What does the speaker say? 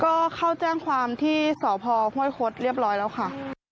ก็เข้าแจ้งความที่สพห้วยคดเรียบร้อยแล้วค่ะ